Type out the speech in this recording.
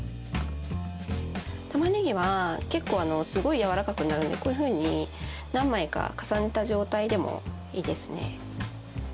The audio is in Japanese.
たまねぎは結構すごいやわらかくなるんでこういうふうに何枚か重ねた状態でもいいですね。